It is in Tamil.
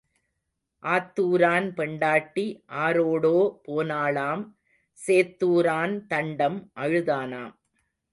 ஆத்தூரான் பெண்டாட்டி ஆரோடோ போனாளாம் சேத்தூரான் தண்டம் அழுதானாம்.